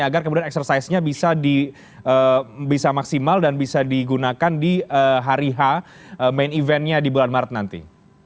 agar kemudian eksersisnya bisa maksimal dan bisa digunakan di hari h main eventnya di bulan maret nanti